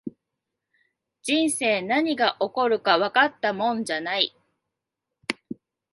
人生、何が起こるかわかったもんじゃない